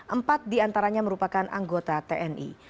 empat diantaranya merupakan anggota tni